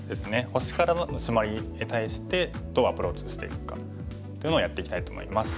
星からのシマリに対してどうアプローチしていくかっていうのをやっていきたいと思います。